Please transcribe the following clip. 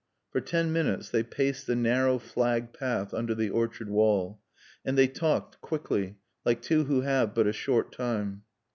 For ten minutes they paced the narrow flagged path under the orchard wall. And they talked, quickly, like two who have but a short time.